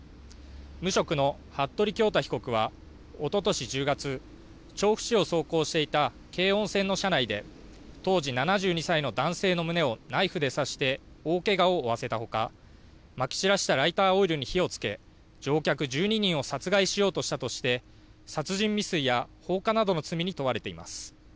無職の服部恭太被告はおととし１０月、調布市を走行していた京王線の車内で当時７２歳の男性の胸をナイフで刺して大けがを負わせたほかまき散らしたライターオイルに火をつけ乗客１２人を殺害しようとしたとして殺人未遂や放火などの罪に問われています。